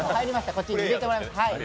こっちに入れてもらいました。